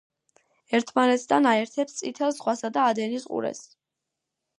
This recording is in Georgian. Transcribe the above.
ერთმანეთთან აერთებს წითელ ზღვასა და ადენის ყურეს.